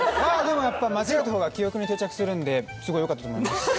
間違った方が記憶に定着するのでよかったと思います。